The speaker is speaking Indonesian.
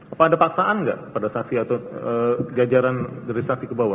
apa ada paksaan nggak pada saksi atau jajaran dari saksi ke bawah